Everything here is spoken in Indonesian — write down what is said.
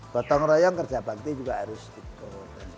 botong royong kerja bakti juga harus itu dan sebagainya